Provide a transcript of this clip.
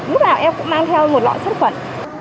lúc nào em cũng mang theo một lọ sát khuẩn